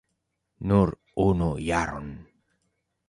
Nur unu jaron!